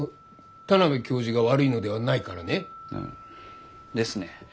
田邊教授が悪いのではないからね。ですね。